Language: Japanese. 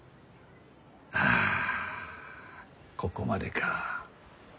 あここまでか。